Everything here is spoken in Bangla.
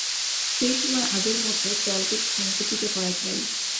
সেই সময় আগের মত তলপেট সঙ্কুচিত করা চাই।